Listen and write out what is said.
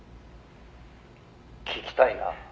「聞きたいな」